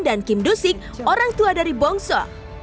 dan kim do sik orang tua dari bong sok